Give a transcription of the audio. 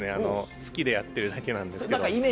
好きでやっているだけなんですけど。